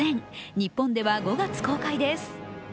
日本では５月公開です。